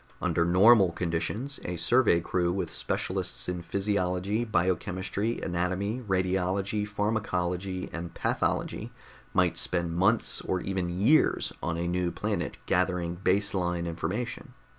Under normal conditions, a survey crew with specialists in physiology, biochemistry, anatomy, radiology, pharmacology and pathology might spend months or even years on a new planet gathering base line information.